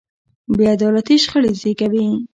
بې عدالتي شخړې زېږوي